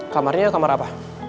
kamarnya kamar apa